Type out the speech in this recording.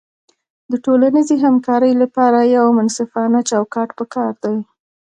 د ټولنیزې همکارۍ لپاره یو منصفانه چوکاټ پکار دی.